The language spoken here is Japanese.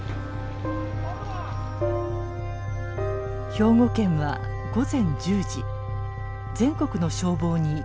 兵庫県は午前１０時全国の消防に応援を要請。